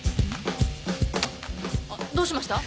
あっどうしました？